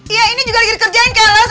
iya ini juga lagi dikerjain kelas